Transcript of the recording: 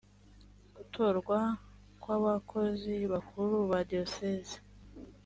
gutorwa kw abakozi bakuru ba diyosezi